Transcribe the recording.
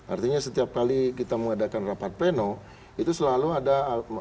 artinya setiap kali kita mengadakan rapat pleno itu selalu ada